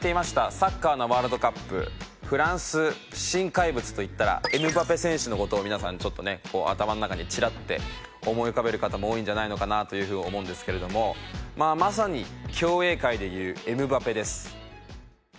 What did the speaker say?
サッカーのワールドカップフランス新怪物と言ったらエムバペ選手の事を皆さんちょっとね頭の中にチラッて思い浮かべる方も多いんじゃないのかなという風に思うんですけれどもまさに競泳界でいうエムバペです。